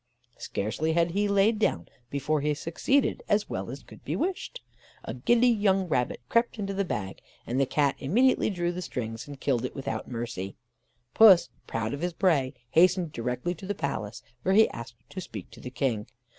Scarcely had he laid down, before he succeeded as well as could be wished. A giddy young rabbit crept into the bag, and the Cat immediately drew the strings, and killed it without mercy. Puss, proud of his prey, hastened directly to the palace, where he asked to speak to the King.